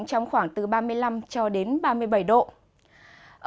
nền nhiệt trong ngày mai chỉ giao động trong khoảng từ ba mươi năm cho đến ba mươi bảy độ